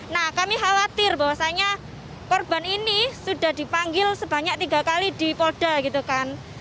nah kami khawatir bahwasannya korban ini sudah dipanggil sebanyak tiga kali di polda gitu kan